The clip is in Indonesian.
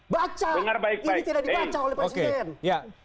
baca ini tidak dibaca oleh presiden